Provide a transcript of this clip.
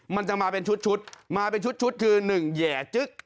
มันจะมาเป็นชุดมาเป็นชุดคือ๑แห่จึ๊ก